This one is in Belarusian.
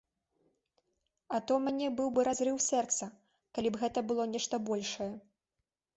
А то ў мяне быў бы разрыў сэрца, калі б гэта было нешта большае.